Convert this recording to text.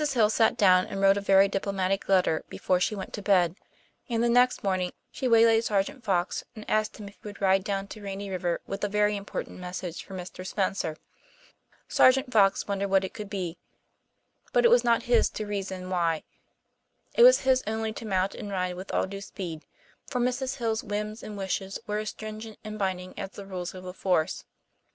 Hill sat down and wrote a very diplomatic letter before she went to bed, and the next morning she waylaid Sergeant Fox and asked him if he would ride down to Rainy River with a very important message for Mr. Spencer. Sergeant Fox wondered what it could be, but it was not his to reason why; it was his only to mount and ride with all due speed, for Mrs. Hill's whims and wishes were as stringent and binding as the rules of the force.